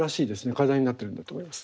課題になっているんだと思います。